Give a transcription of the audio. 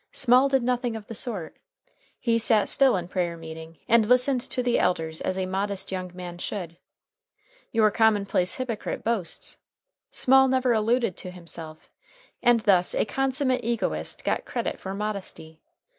Small did nothing of the sort. He sat still in prayer meeting, and listened to the elders as a modest young man should. Your commonplace hypocrite boasts. Small never alluded to himself, and thus a consummate egotist got credit for modesty.